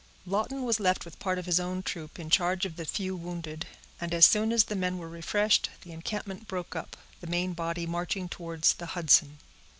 Lawton was left with part of his own troop, in charge of the few wounded; and as soon as the men were refreshed, the encampment broke up, the main body marching towards the Hudson.